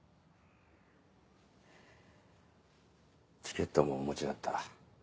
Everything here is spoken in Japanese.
チケットもお持ちだった。